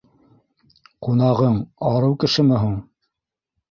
Ҡунағың... арыу кешеме һуң?